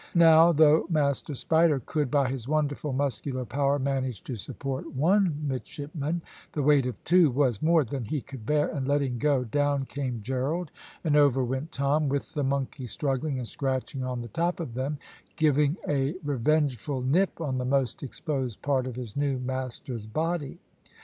Now, though Master Spider could, by his wonderful muscular power, manage to support one midshipman, the weight of two was more than he could bear, and letting go, down came Gerald, and over went Tom, with the monkey struggling and scratching on the top of them, giving a revengeful nip on the most exposed part of his new master's body.